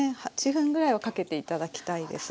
８分ぐらいはかけて頂きたいです。